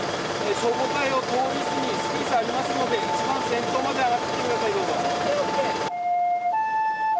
消防隊を通り過ぎスペースありますので一番先頭まで上がってきてください。